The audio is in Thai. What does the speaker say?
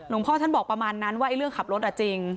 พ่อท่านบอกประมาณนั้นว่าเรื่องขับรถจริง